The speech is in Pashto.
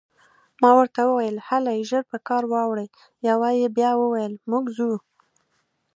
ما ورته وویل: هلئ، ژر په کار واوړئ، یوه یې بیا وویل: موږ ځو.